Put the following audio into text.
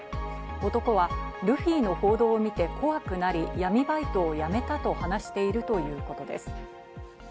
男はルフィの報道を見て怖くなり、闇バイトをやめたと話しているということです。